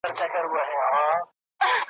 د تعویذ اغېز تر لنډي زمانې وي ,